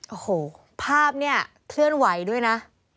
โอ้โหภาพเนี่ยเคลื่อนไหวด้วยนะ